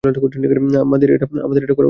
আমাদের এটা করা উচিত না।